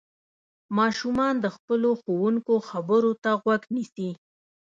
ماشومان د خپلو ښوونکو خبرو ته غوږ نيسي.